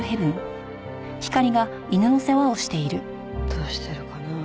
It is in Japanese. どうしてるかなあ？